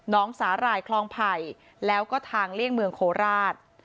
สาหร่ายคลองไผ่แล้วก็ทางเลี่ยงเมืองโคราช